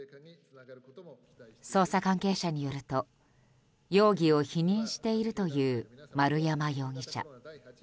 捜査関係者によると容疑を否認しているという丸山容疑者。